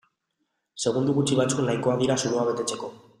Segundo gutxi batzuk nahikoa dira zuloa betetzeko.